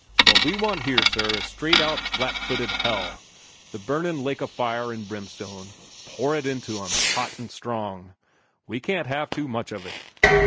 What we want here, sir, is straight out, flat footed hell the burnin' lake o' fire an' brim stone. Pour it into 'em, hot an' strong. We can't have too much of it.